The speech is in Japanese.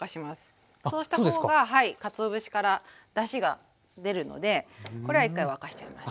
そうした方がかつお節からだしが出るのでこれは一回沸かしちゃいます。